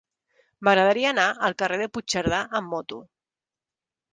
M'agradaria anar al carrer de Puigcerdà amb moto.